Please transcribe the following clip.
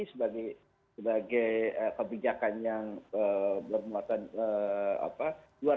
sebagai sebagai bawang bulu sebagai bawang daging sebagai bawang daging besar